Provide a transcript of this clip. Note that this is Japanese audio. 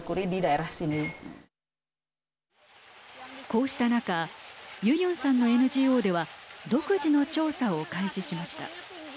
こうした中ユユンさんのＮＧＯでは独自の調査を開始しました。